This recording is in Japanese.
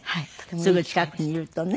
すぐ近くにいるとね。